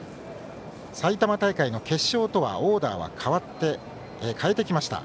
埼玉大会の決勝とはオーダーは変えてきました。